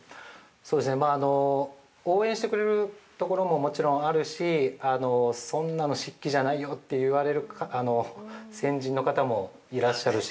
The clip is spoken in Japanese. ◆そうですね、応援してくれるところももちろんあるしそんなの漆器じゃないよと言われる先人の方もいらっしゃるし。